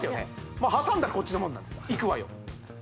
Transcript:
もう挟んだらこっちのもんなんですいくわよ